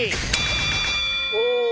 お。